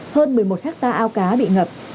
hơn một mươi một hecta ao cá bị ngập